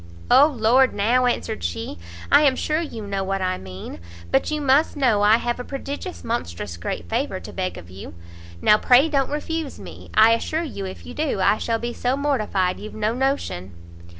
"O Lord, now," answered she, "I am sure you know what I mean; but you must know I have a prodigious monstrous great favour to beg of you; now pray don't refuse me; I assure you if you do, I shall be so mortified you've no notion."